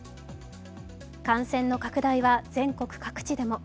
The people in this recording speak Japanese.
感染の拡大は全国各地でも。